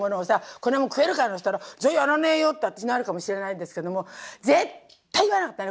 「こんなもん食えるか」なんて言ったら「じゃあやらねえよ」って私なるかもしれないんですけども絶対言わなかったね